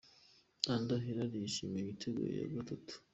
Ander Herrera yishimira igitego cya gatatu